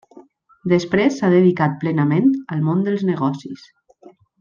Després s'ha dedicat plenament al món dels negocis.